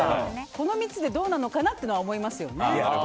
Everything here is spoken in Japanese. この３つでどうなのかなって思いますよね。